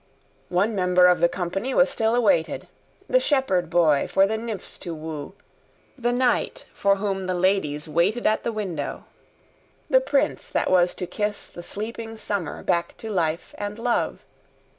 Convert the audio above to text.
One member of the company was still awaited; the shepherd boy for the nymphs to woo, the knight for whom the ladies waited at the window, the prince that was to kiss the sleeping summer back to life and love.